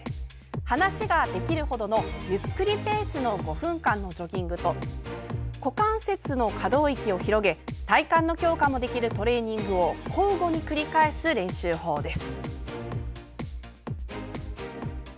話ができるほどのゆっくりペースの５分間のジョギングと股関節の可動域を広げ体幹の強化もできるトレーニングを交互に繰り返す練習法です。